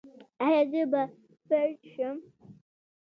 ایا زه به فلج شم؟